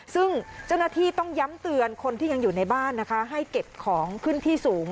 ซึ่งเจ้าหน้าที่ต้องย้ำเตือนคนที่ยังอยู่ในบ้านนะคะให้เก็บของขึ้นที่สูง